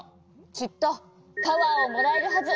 きっとパワーをもらえるはず。